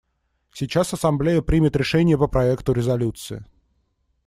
Сейчас Ассамблея примет решение по проекту резолюции.